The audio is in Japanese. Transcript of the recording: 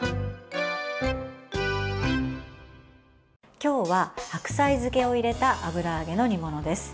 今日は白菜漬けを入れた油揚げの煮物です。